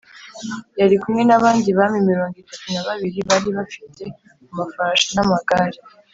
Yari kumwe n’abandi bami mirongo itatu na babiri bari bafite amafarashi n’amagare